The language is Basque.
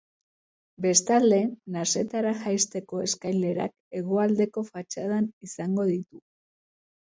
Bestalde, nasetara jaisteko eskailerak hegoaldeko fatxadan izango ditu.